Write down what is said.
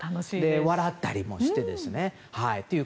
笑ったりもしてですね。